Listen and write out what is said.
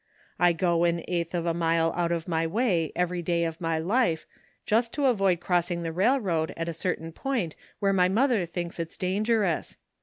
I go an eighth of a mile out of my way every day of my life, just to avoid crossing the railroad at a certain point where my mother thinks it's dangerous.